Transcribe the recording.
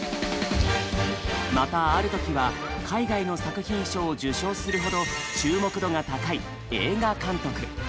またある時は海外の作品賞を受賞するほど注目度が高い映画監督。